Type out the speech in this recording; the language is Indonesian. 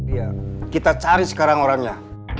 iya kita cari sekarang orangnya